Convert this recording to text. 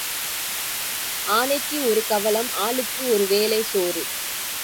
ஆனைக்கு ஒரு கவளம் ஆளுக்கு ஒரு வேளைச் சோறு.